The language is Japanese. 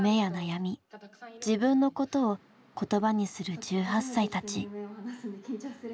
「自分のこと」を言葉にする１８歳たち。